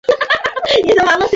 এটাই এ উপন্যাসের কাহিনী।